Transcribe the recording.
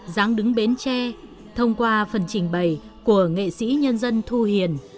giáng đứng bến tre thông qua phần trình bày của nghệ sĩ nhân dân thu hiền